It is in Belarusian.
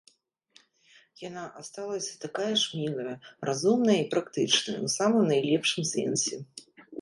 Яна асталася такая ж мілая, разумная і практычная ў самым найлепшым сэнсе.